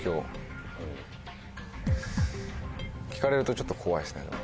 聞かれるとちょっと怖いっすね。